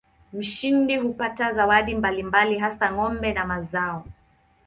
Mshindi hupata zawadi mbalimbali hasa ng'ombe na mazao.